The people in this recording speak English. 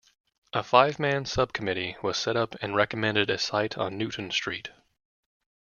A five-man sub-committee was set up and recommended a site on Newton Street.